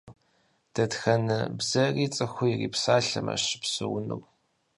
Дэтхэнэ бзэри цӏыхур ирипсалъэмэщ щыпсэунур.